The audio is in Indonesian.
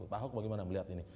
pak ahok bagaimana melihat ini